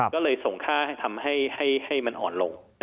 ก็เลยส่งค่าให้ทำให้มันอ่อนลง